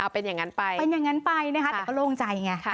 เป็นอย่างนั้นไปเป็นอย่างนั้นไปนะคะแต่ก็โล่งใจไง